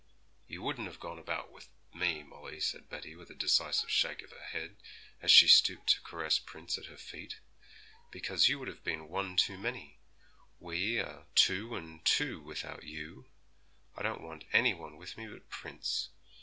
'You wouldn't have gone about with me, Molly,' said Betty, with a decisive shake of her head, as she stooped to caress Prince at her feet, 'because you would have been one too many. We are two and two without you. I don't want any one with me but Prince.